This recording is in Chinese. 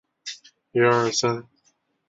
从哲学角度分析了书法创作的变易关系。